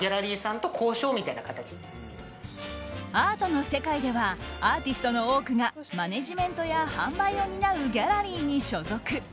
アートの世界ではアーティストの多くがマネジメントや販売を担うギャラリーに所属。